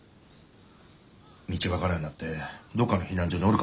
道分からんようになってどっかの避難所におるかもしれん。